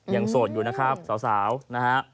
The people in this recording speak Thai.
ยังโสดอยู่นะครับเสาร